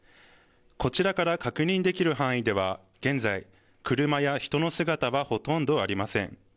こちらから確認できる範囲では現在、車や人の姿はほとんどありません。